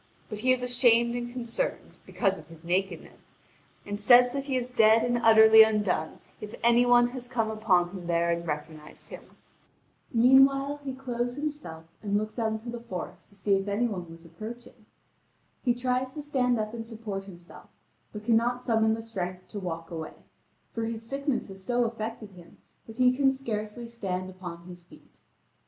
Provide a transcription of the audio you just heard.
But he is ashamed and concerned, because of his nakedness, and says that he is dead and utterly undone if any one has come upon him there and recognised him. Meanwhile, he clothes himself and looks out into the forest to see if any one was approaching. He tries to stand up and support himself, but cannot summon the strength to walk away, for his sickness has so affected him that he can scarcely stand upon his feet.